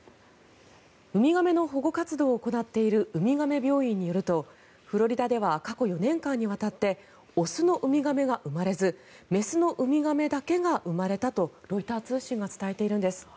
ウミガメの保護活動を行っているウミガメ病院によるとフロリダでは過去４年間にわたって雄のウミガメが生まれず雌のウミガメだけが生まれたとロイター通信が伝えているんです。